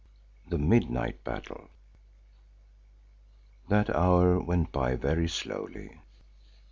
THE MIDNIGHT BATTLE That hour went by very slowly.